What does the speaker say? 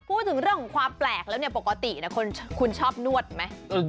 พูดถึงเรื่องของความแปลกแล้วเนี่ยปกติคุณชอบนวดไหม